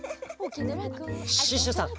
シュッシュさん